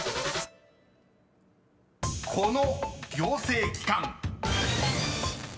［この行政機関］